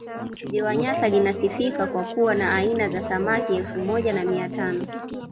ziwa nyasa linasifika kwa kuwa na aina za samaki elfu moja na mia tano